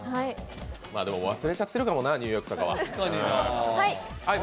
でも、忘れちゃってるかもな、ニューヨークとかは。